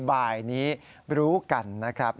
บ่ายนี้รู้กันนะครับ